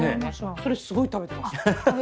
それすごい食べてました。